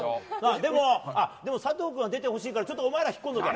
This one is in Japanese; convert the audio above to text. でも、佐藤君は出ててほしいからちょっとお前ら、引っこんどけ。